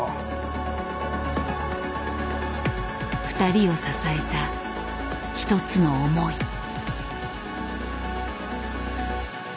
ふたりを支えた一つの思い。